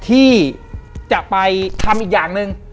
ที่จะไปทำอีกอย่างหนึ่ง